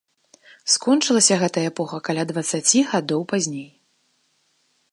Скончылася гэтая эпоха каля дваццаці гадоў пазней.